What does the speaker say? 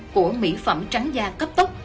của mỹ phẩm trắng da cấp tóc